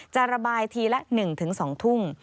จะระบายทีละ๑๒ทุ่ม